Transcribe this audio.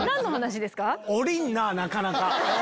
下りんななかなか。